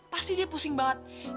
pasti dia pusing banget